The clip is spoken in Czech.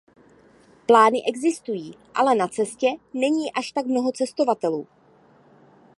Plány existují, ale na cestě není až tak mnoho cestovatelů.